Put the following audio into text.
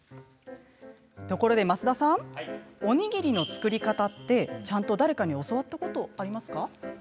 ところで増田さんおにぎりの作り方ってちゃんと誰かに教わったことありますか？